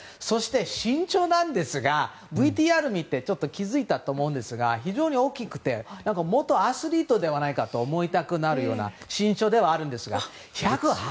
そして、身長なんですがＶＴＲを見てちょっと気付いたと思うんですが非常に大きくて元アスリートではないかと思いたくなるような身長ではあるんです。